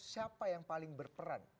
siapa yang paling berperan